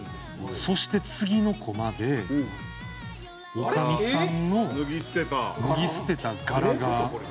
そして次のコマで女将さんの脱ぎ捨てた殻が。